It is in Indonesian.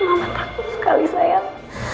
mama takut sekali sayang